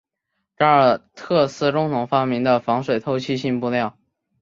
戈尔特斯共同发明的防水透气性布料。